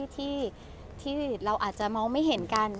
ที่เราอาจจะมองไม่เห็นกัน